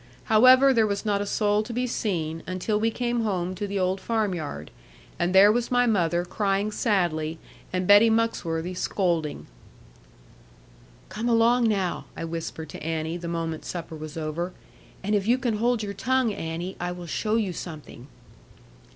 However, there was not a soul to be seen, until we came home to the old farmyard, and there was my mother crying sadly, and Betty Muxworthy scolding. 'Come along, now,' I whispered to Annie, the moment supper was over; 'and if you can hold your tongue, Annie, I will show you something.'